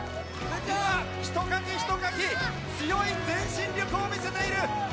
今、一かき一かき強い前進力を見せている。